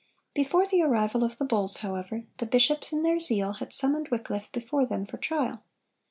(115) Before the arrival of the bulls, however, the bishops, in their zeal, had summoned Wycliffe before them for trial.